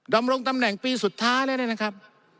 ดำรงตำแหน่งปีสุดท้ายแล้วเนี่ยนะครับ